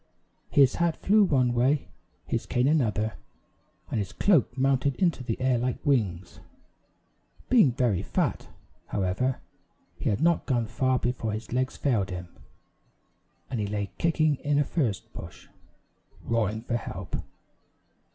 His hat flew one way, his cane another, and his cloak mounted into the air like wings. Being very fat, however, he had not gone far before his legs failed him, and he lay kicking in a furze bush, roaring for help.